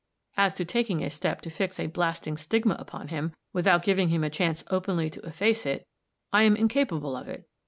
As to taking a step to fix a blasting stigma upon him, without giving him a chance openly to efface it, I am incapable of it.